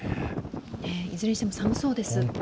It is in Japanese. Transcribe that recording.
いずれにしても寒そうです。